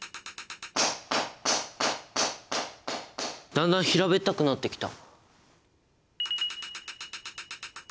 だんだん平べったくなってきた！